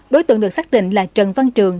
đối tượng được xác định là trần văn trường